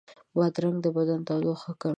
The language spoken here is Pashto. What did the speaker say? بادرنګ د بدن تودوخه کموي.